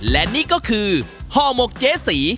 และนี่ก็คือฮอร์หมกเจศรี